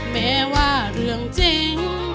แม้ว่าเรื่องจริง